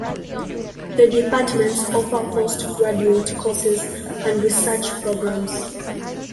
The departments offer post-graduate courses and research programmes.